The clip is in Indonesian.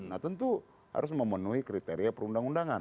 nah tentu harus memenuhi kriteria perundang undangan